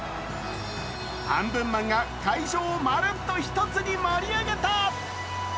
半分マンが会場をまるっと一つに盛り上げた。